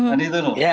kan itu lho